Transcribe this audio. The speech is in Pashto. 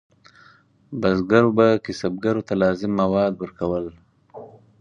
بزګرو به کسبګرو ته لازم مواد ورکول.